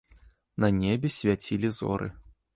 На небе свяцілі зоры.